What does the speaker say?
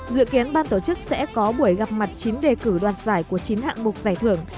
dự kiến ban tổ chức sẽ có buổi gặp mặt chín đề cử đoạt giải của chín hạng mục giải thưởng